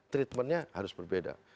treatmentnya harus berbeda